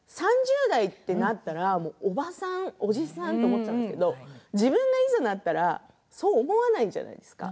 ３０代ってなったらおばさん、おじさんと思っていたんですけど自分がいざなったらそう思わないじゃないですか。